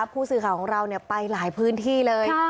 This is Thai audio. ผู้สื่อข่าวของเราไปหลายพื้นที่เลย